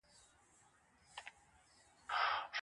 څه شی د قدم وهلو پر مهال زموږ اعصاب اراموي؟